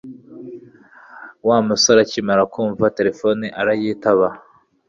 Wa musore akimara kumva terefone arayitaba